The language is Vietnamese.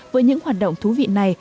với những hoạt động thú vị này